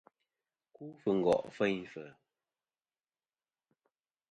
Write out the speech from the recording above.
Ku fɨ ngo' feyn fɨ̀.